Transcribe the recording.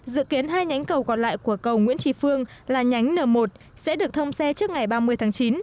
dự kiến hai nhánh cầu còn lại của cầu nguyễn tri phương là nhánh n một sẽ được thông xe trước ngày ba mươi tháng chín